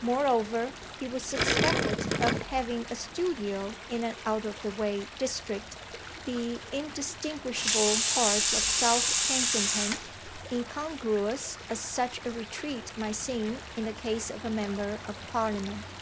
Moreover, he was suspected of having a studio in an out of the way district, the indistinguishable parts of South Kensington, incongruous as such a retreat might seem in the case of a member of Parliament.